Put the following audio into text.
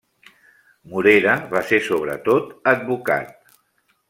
Morera va ser sobretot advocat.